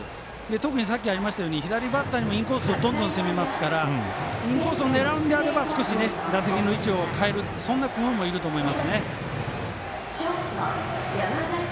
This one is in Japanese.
特に、さっきありましたように左バッターにもインコースどんどん攻めますからインコースを狙うのであれば打席の位置を変える工夫もいると思います。